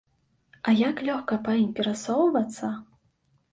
А як лёгка па ім перасоўвацца!